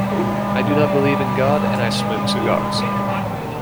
I do not believe in God and I smoke cigars.